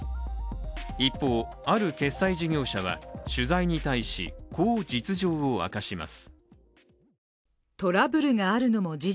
一方、ある決済事業者は取材に対しこう実情を明かします。